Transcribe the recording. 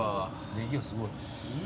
ネギがすごい。